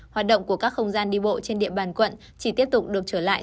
hoạt động của các không gian đi bộ trên địa bàn quận chỉ tiếp tục được trở lại